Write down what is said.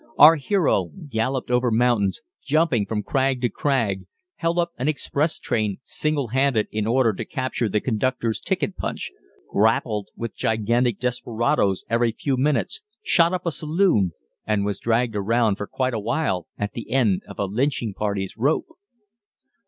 Our hero galloped over mountains, jumping from crag to crag, held up an express train single handed in order to capture the conductor's ticket punch, grappled with gigantic desperadoes every few minutes, shot up a saloon, and was dragged around for quite a while at the end of a lynching party's rope.